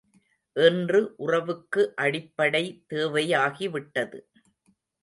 இன்று உறவுக்கு அடிப்படை தேவையாகிவிட்டது.